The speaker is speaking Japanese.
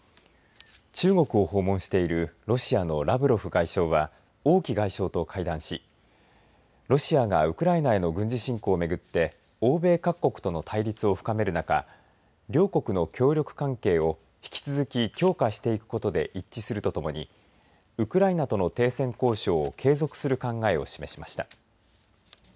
中国を訪問しているロシアのラブロフ外相は王毅外相と会談しロシアがウクライナへの軍事侵攻をめぐって欧米各国との対立を深める中両国の協力関係を引き続き強化していくことで一致するとともにウクライナとの停戦交渉を継続する考えを示しました。